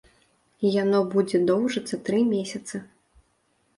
Яно будзе доўжыцца тры месяцы.